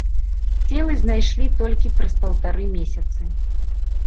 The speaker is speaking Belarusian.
Целы знайшлі толькі праз паўтара месяцы.